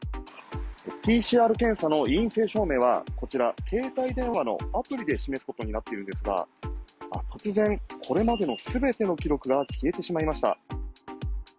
ＰＣＲ検査の陰性証明はこちら、携帯電話のアプリで示すことになっているんですが、あっ、突然、これまでのすべての記録が消えてしまいました。